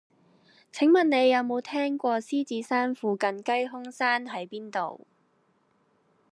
請問你有無聽過獅子山附近雞胸山喺邊度